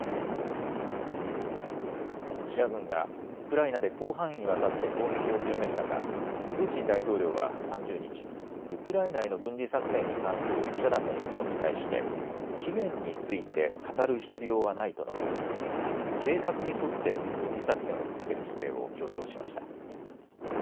ロシア軍がウクライナで広範囲にわたって攻撃を強める中、プーチン大統領は３０日、ウクライナへの軍事作戦に関する記者団の質問に対して期限について語る必要はないと述べ、計画に沿って軍事作戦を続ける姿勢を強調しました。